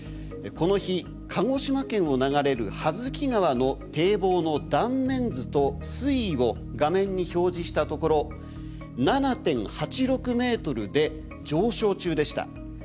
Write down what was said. この日鹿児島県を流れる羽月川の堤防の断面図と水位を画面に表示したところ７．８６ｍで上昇中でした。